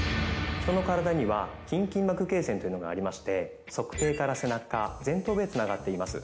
人の体には筋筋膜経線というのがありまして足底から背中前頭部へつながっています。